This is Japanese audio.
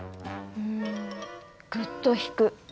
うんグッと引く。